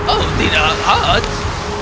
oh tidak hans